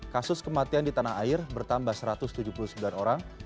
kasus kematian di tanah air bertambah satu ratus tujuh puluh sembilan orang